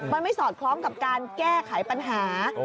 มันไม่สอดคล้องกับการแก้ไขปัญหา